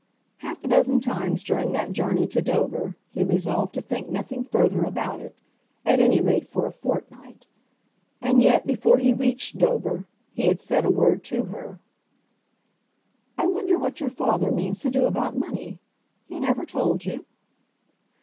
Half a dozen times during that journey to Dover he resolved to think nothing further about it, at any rate for a fortnight; and yet, before he reached Dover, he had said a word to her. "I wonder what your father means to do about money? He never told you?"